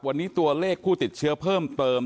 วันนี้ตัวเลขผู้ติดเชื้อเพิ่มเติม